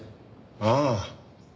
ああ。